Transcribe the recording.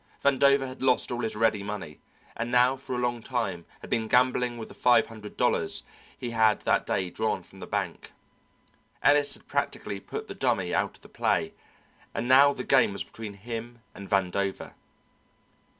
Vandover had lost all his ready money, and now for a long time had been gambling with the five hundred dollars he had that day drawn from the bank. Ellis had practically put the Dummy out of the play, and now the game was between him and Vandover.